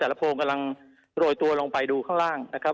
โพงกำลังโรยตัวลงไปดูข้างล่างนะครับ